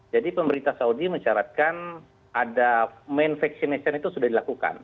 jadi pemerintah saudi mencaratkan ada main vaccination itu sudah dilakukan